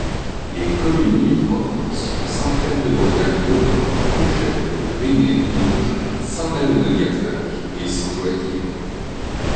Les communes limitrophes sont Sainte-Reine-de-Bretagne au nord, Pontchâteau, Besné, Donges, Saint-Malo-de-Guersac et Saint-Joachim.